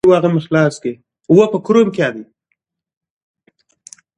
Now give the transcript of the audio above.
د هند ټوډې ورځپاڼه د فضايي سټېشن انځور خپور کړی.